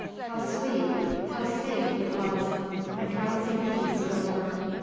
How sweet, how safe, it was. A drowsy peace filled her.